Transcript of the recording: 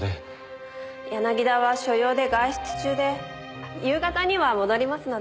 柳田は所用で外出中で夕方には戻りますので。